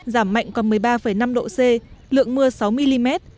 giảm mạnh còn một mươi ba năm độ c lượng mưa sáu mm